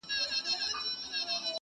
هغې ته درد لا ژوندی دی,